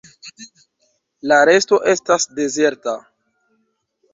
La resto estas dezerta.